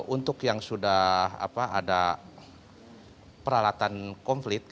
untuk yang sudah ada peralatan konflik